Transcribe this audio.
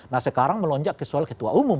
nah sekarang melonjak ke soal ketua umum